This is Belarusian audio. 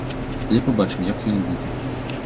Але пабачым як яно будзе.